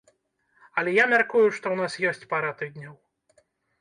Але я мяркую, што ў нас ёсць пара тыдняў.